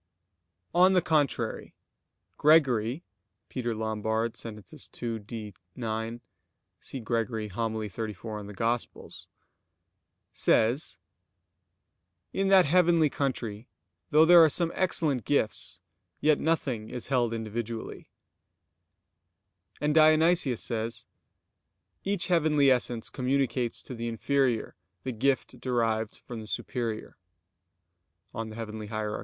On the contrary, Gregory [*Peter Lombard, Sent. ii, D, ix; Cf. Gregory, Hom. xxxiv, in Ev.] says: "In that heavenly country, though there are some excellent gifts, yet nothing is held individually." And Dionysius says: "Each heavenly essence communicates to the inferior the gift derived from the superior" (Coel. Hier.